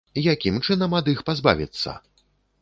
Якім чынам ад іх пазбавіцца?